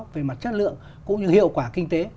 về mặt chất lượng cũng như hiệu quả kinh tế